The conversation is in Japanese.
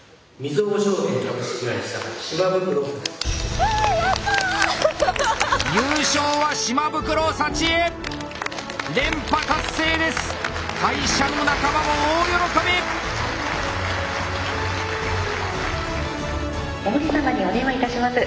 毛利様にお電話いたします。